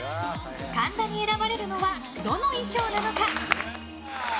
神田に選ばれるのはどの衣装なのか。